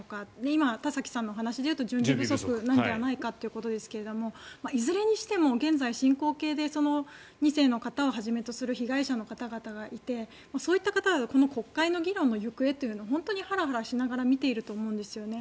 今、田崎さんの話でいうと準備不足なのではないかということですがいずれにしても現在進行形で２世の方をはじめとする被害者の方々がいてそういった方は国会の議論の行方を本当にハラハラしながら見ていると思うんですね。